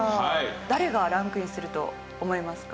誰がランクインすると思いますか？